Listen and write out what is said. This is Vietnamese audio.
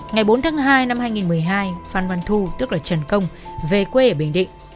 ngày bốn tháng hai năm hai nghìn một mươi hai phan văn thu tức là trần công về quê ở bình định